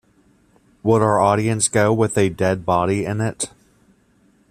Would our audience go with a dead body in it?